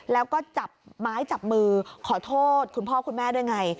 แล้วก็จับไม้จับมือขอโทษคุณพ่อคุณแม่ด้วยไง